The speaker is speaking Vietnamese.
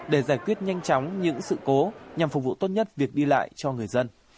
để giải quyết nhanh chóng những sự cố nhằm phục vụ tốt nhất việc đi lại cho người dân